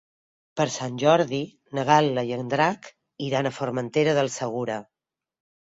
Per Sant Jordi na Gal·la i en Drac iran a Formentera del Segura.